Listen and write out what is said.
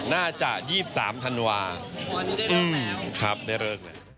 น่าจะ๒๓ธันวาคือวันนี้ได้เลิกแล้ว